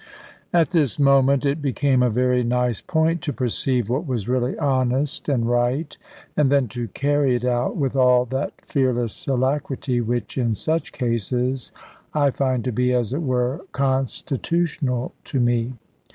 At this moment it became a very nice point to perceive what was really honest and right, and then to carry it out with all that fearless alacrity, which in such cases I find to be, as it were, constitutional to me.